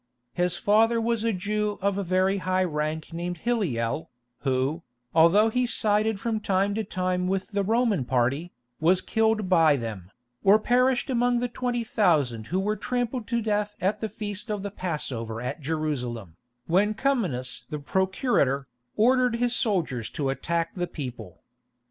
His father was a Jew of very high rank named Hilliel, who, although he sided from time to time with the Roman party, was killed by them, or perished among the twenty thousand who were trampled to death at the Feast of the Passover at Jerusalem, when Cumanus, the Procurator, ordered his soldiers to attack the people.